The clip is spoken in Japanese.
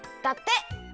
だって。